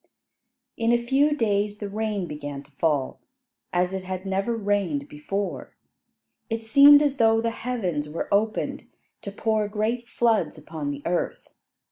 In a few days the rain began to fall, as it had never rained before. It seemed as though the heavens were opened to pour great floods upon the earth.